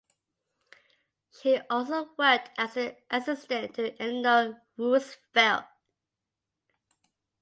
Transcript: She also worked as an assistant to Eleanor Roosevelt.